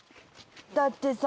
だってさ